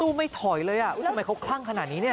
ไม่ถอยเลยอ่ะทำไมเขาคลั่งขนาดนี้เนี่ย